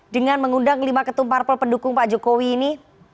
dengan mengundang lima ketumpar pelpendukung pak jokowi ini